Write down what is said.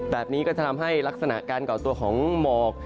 แบบนี้ก็จะทำให้ลักษณะการก่อตัวของหมอก